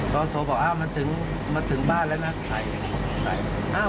พ่อโทรบอกมันถึงบ้านแล้วนะใคร